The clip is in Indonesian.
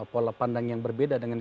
pola pandang yang berbeda dengan